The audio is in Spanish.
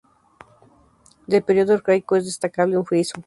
Del periodo arcaico es destacable un friso.